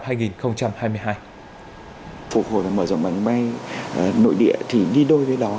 phục hồi và mở rộng bản đồng bay nội địa thì đi đôi với đó